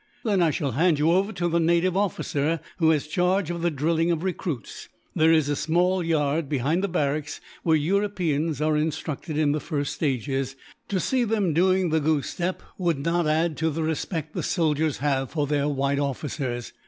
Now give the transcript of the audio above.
"Then I shall hand you over to the native officer, who has charge of the drilling of recruits. There is a small yard, behind the barracks, where Europeans are instructed in the first stages. To see them doing the goose step would not add to the respect the soldiers have for their white officers.